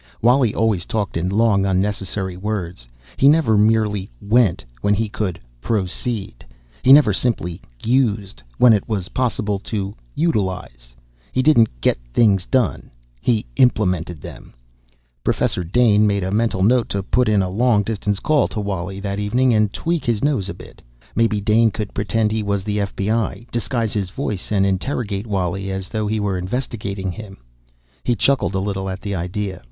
Wally always talked in long unnecessary words. He never merely "went" when he could "proceed," he never simply "used" when it was possible to "utilize," he didn't "get things done" he "implemented" them. Professor Dane made a mental note to put in a long distance call to Wally that evening and tweak his nose a bit. Maybe Dane could pretend he was the FBI disguise his voice and interrogate Wally, as though he were investigating him. He chuckled a little at the idea.